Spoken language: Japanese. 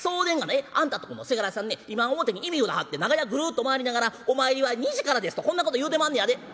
ええ？あんたとこのせがれさんね今表に忌み札貼って長屋ぐるっと回りながら『お参りは２時からです』とこんなこと言うてまんねやで」。